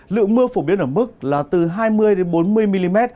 lượng mưa phổ biến ở mức là từ hai mươi bốn mươi mm